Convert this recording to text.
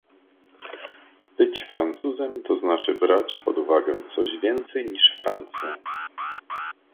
"Być Francuzem to znaczy brać pod uwagę coś więcej niż Francję"